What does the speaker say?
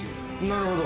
なるほど。